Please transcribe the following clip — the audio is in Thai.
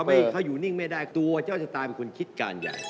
มีคนไฮเปอร์นี่